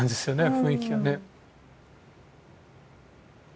雰囲気がね。